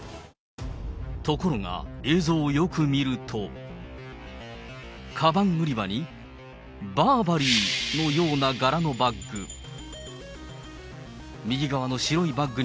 ところが映像をよく見ると、かばん売り場に、バーバリーのような柄のバッグ。